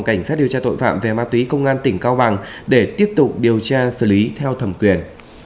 cảnh sát điều tra tội phạm về ma túy công an tỉnh cao bằng để tiếp tục điều tra xử lý theo thẩm quyền